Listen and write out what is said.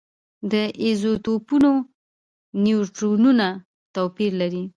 د ایزوټوپونو نیوټرونونه توپیر لري.